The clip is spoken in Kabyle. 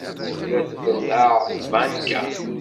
Tella tbelleɛ tbanka?